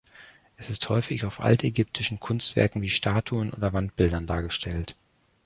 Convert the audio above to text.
Es ist häufig auf altägyptischen Kunstwerken wie Statuen oder Wandbildern dargestellt.